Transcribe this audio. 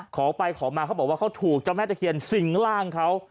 ขอไปขอมาเขาบอกว่าเขาถูกเจ้าแม่ตะเคียนสิ่งร่างเขา